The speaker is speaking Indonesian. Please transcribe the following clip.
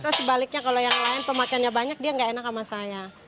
atau sebaliknya kalau yang lain pemakaiannya banyak dia nggak enak sama saya